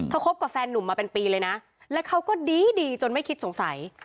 คบกับแฟนนุ่มมาเป็นปีเลยนะแล้วเขาก็ดีดีจนไม่คิดสงสัย